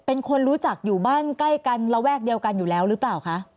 เป็นคนรู้จักอยู่บ้านใกล้กันระแวกเดียวกันอยู่แล้วหรือเปล่าคะ